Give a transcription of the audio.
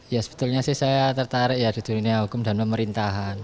ya sebetulnya sih saya tertarik ya di dunia hukum dan pemerintahan